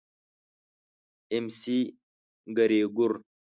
اېم سي ګرېګور.